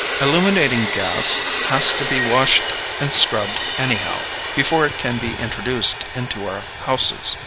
Illuminating gas has to be washed and scrubbed anyhow before it can be introduced into our houses.